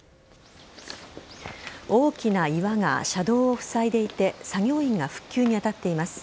大きな岩が車道をふさいでいて作業員が復旧に当たっています。